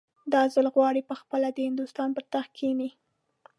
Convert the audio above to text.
دا ځل غواړي پخپله د هندوستان پر تخت کښېني.